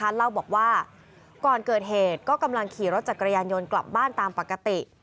เล่าบอกว่าก่อนเกิดเหตุก็กำลังขี่รถจักรยานยนต์กลับบ้านตามปกติ